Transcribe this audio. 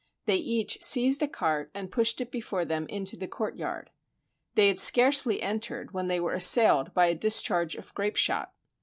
They each seized a cart and pushed it before them into the courtyard. They had scarcely entered, when they were assailed by a dis charge of grape shot.